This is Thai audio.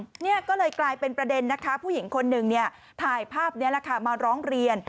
เนี่ยก็เลยกลายเป็นประเด็นนะคะผู้หญิงคนหนึ่งเนี่ยถ่ายภาพนี้แหละค่ะมาร้องเรียน